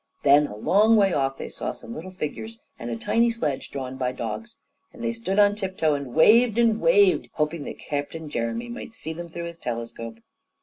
Then a long way off they saw some little figures and a tiny sledge drawn by dogs; and they stood on tiptoe and waved and waved, hoping that Captain Jeremy might see them through his telescope.